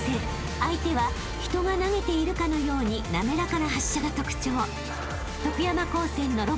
［相手は人が投げているかのように滑らかな発射が特徴］